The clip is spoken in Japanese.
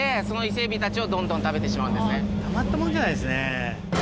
たまったもんじゃないですね。